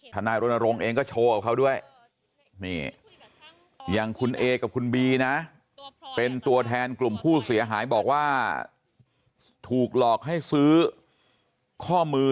นายรณรงค์เองก็โชว์กับเขาด้วยนี่อย่างคุณเอกับคุณบีนะเป็นตัวแทนกลุ่มผู้เสียหายบอกว่าถูกหลอกให้ซื้อข้อมือ